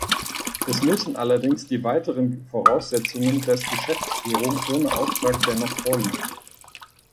Es müssen allerdings die weiteren Voraussetzungen des Geschäftsführung ohne Auftrag dennoch vorliegen.